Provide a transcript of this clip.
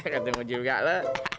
ketemu juga lo